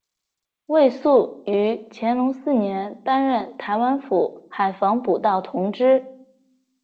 魏素于乾隆四年担任台湾府海防补盗同知。